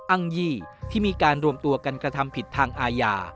อ้างยี่ที่มีการรวมตัวกันกระทำผิดทางอาญา